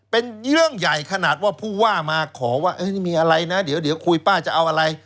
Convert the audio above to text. เป็นเรื่องใหญ่ขนาดว่าผู้ว่ามาขอว่านี่มีอะไรนะเดี๋ยวคุยป้าจะเอาอะไร